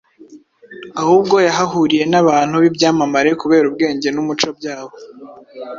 ahubwo yahahuriye n’abantu b’ibyamamare kubera ubwenge n’umuco byabo.